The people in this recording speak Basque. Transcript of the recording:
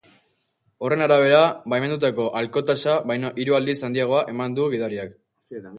Horren arabera, baimendutako alkohol-tasa baino hiru aldiz handiagoa eman du gidariak.